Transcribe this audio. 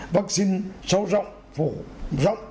vaccine sâu rộng phủ rộng